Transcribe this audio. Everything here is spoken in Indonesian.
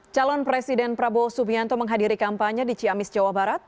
calon presiden prabowo subianto menghadiri kampanye di ciamis jawa barat